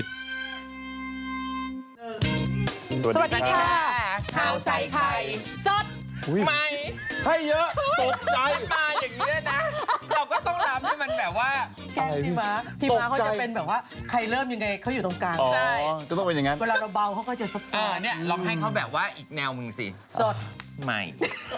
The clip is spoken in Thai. สดใหม่